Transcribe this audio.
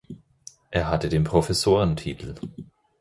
Er hatte den Professorentitel.